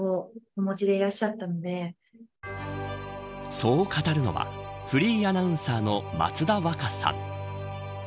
そう語るのはフリーアナウンサーの松田和佳さん。